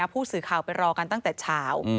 ผู้สื่อข่าวไปรอกันตั้งแต่เช้า